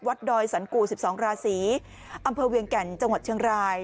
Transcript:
ดอยสันกู๑๒ราศีอำเภอเวียงแก่นจังหวัดเชียงราย